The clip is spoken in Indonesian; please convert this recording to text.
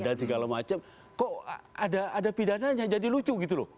dan segala macam kok ada pidana yang jadi lucu gitu loh